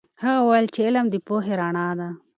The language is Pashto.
هغه وویل چې علم د پوهې رڼا ده.